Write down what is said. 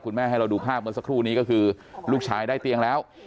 ให้เราดูภาพเมื่อสักครู่นี้ก็คือลูกชายได้เตียงแล้ว